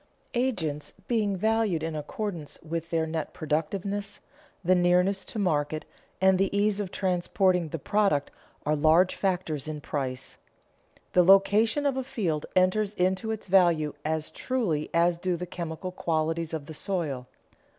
Agents being valued in accordance with their net productiveness, the nearness to market and the ease of transporting the product are large factors in price. The location of a field enters into its value as truly as do the chemical qualities of the soil.